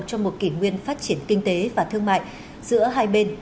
cho một kỷ nguyên phát triển kinh tế và thương mại giữa hai bên